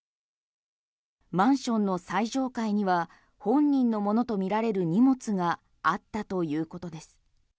マンションの最上階には本人のものとみられる荷物があったということです。